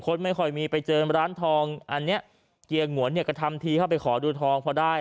ไม่ค่อยมีไปเจอร้านทองอันเนี้ยเกียร์หงวนเนี่ยก็ทำทีเข้าไปขอดูทองพอได้